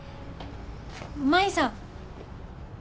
舞さん。